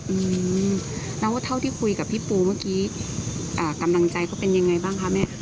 อืมแล้วว่าเท่าที่คุยกับพี่ปูเมื่อกี้อ่ากำลังใจเขาเป็นยังไงบ้างคะแม่